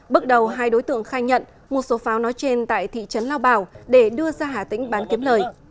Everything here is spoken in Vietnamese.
bước đầu hai đối tượng khai nhận một số pháo nói trên tại thị trấn lao bảo để đưa ra hà tĩnh bán kiếm lời